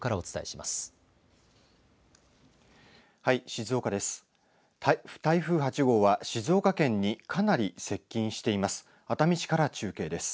台風８号は静岡県にかなり接近しています。